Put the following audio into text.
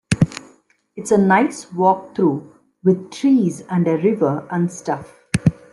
It's a nice walk though, with trees and a river and stuff.